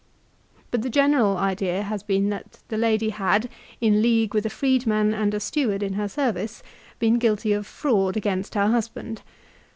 But the general idea has been that the lady had, in league with a freedman and steward in her service, been guilty of fraud against her husband.